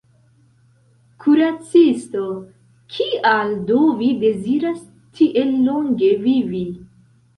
Kuracisto: “Kial do vi deziras tiel longe vivi?